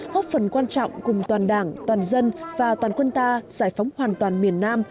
góp phần quan trọng cùng toàn đảng toàn dân và toàn quân ta giải phóng hoàn toàn miền nam